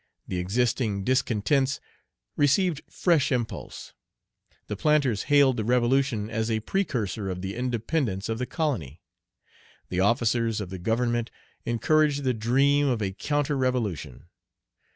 The existing discontents received fresh impulse. The planters hailed the revolution as a precursor of the independence of the colony. The officers of the government encouraged the dream of a counter revolution.